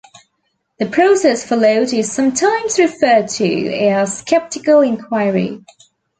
The process followed is sometimes referred to as skeptical inquiry.